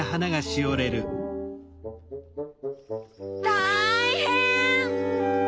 たいへん！